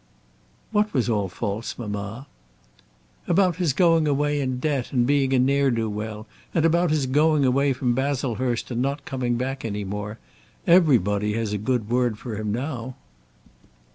"What was all false, mamma?" "About his going away in debt, and being a ne'er do well, and about his going away from Baslehurst and not coming back any more. Everybody has a good word for him now."